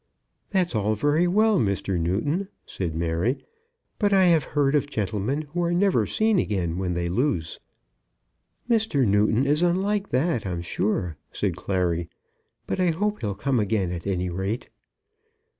"That's all very well, Mr. Newton," said Mary, "but I have heard of gentlemen who are never seen again when they lose." "Mr. Newton is unlike that, I'm sure," said Clary; "but I hope he'll come again at any rate."